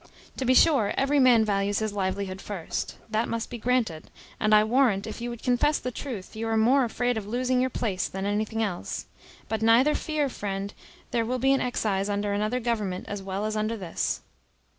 To be sure, every man values his livelihood first; that must be granted; and I warrant, if you would confess the truth, you are more afraid of losing your place than anything else; but never fear, friend, there will be an excise under another government as well as under this."